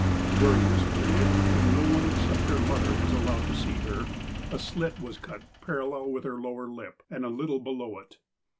During this period, when no one except her mother was allowed to see her, a slit was cut parallel with her lower lip, and a little below it.